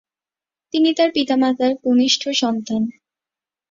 তিনি তার পিতা-মাতার কনিষ্ঠ সন্তান।